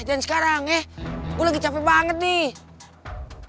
sekarang eh gue lagi capek banget nih